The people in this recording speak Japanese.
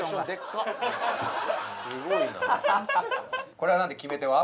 これは何で決め手は？